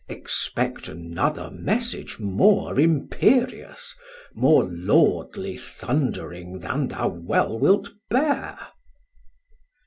Expect another message more imperious, More Lordly thund'ring then thou well wilt bear.